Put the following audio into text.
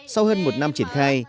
sau hơn một năm triển khai